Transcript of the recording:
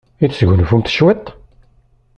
I tesgunfumt cwiṭ?